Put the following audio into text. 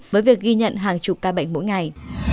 với việc ghi nhận hàng chục ca bệnh mỗi ngày